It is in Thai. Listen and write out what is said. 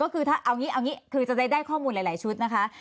เคยคือจะได้ข้อมูลหลายชุดนะคะ